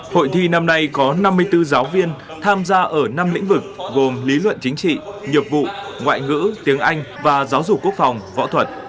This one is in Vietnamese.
hội thi năm nay có năm mươi bốn giáo viên tham gia ở năm lĩnh vực gồm lý luận chính trị nghiệp vụ ngoại ngữ tiếng anh và giáo dục quốc phòng võ thuật